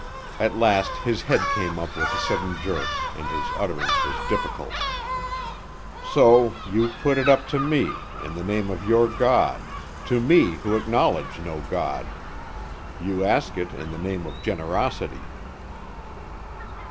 At last his head came up with a sudden jerk and his utterance was difficult. "So you put it up to me, in the name of your God: to me who acknowledge no God. You ask it in the name of generosity."